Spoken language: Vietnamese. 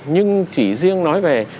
nhưng chỉ riêng nói về